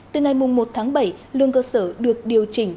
từ ngày một tháng bảy lương cơ sở được điều chỉnh